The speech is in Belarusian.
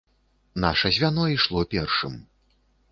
Наша звяно ішло першым.